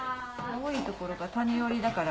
青い所が谷折りだから。